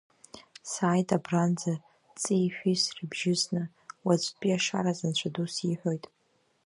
Сааит абранӡа, ҵи-шәи срыбжьысны, уаҵәтәи ашараз анцәа ду сиҳәоит.